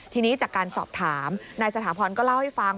ทีนี้จากการสอบถามนายสถาพรก็เล่าให้ฟัง